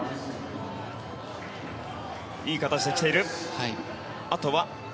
いい形で来ている。